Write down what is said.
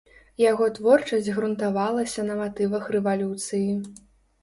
Яго творчасць грунтавалася на матывах рэвалюцыі.